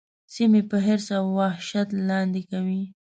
سیمې په حرص او وحشت لاندي کوي.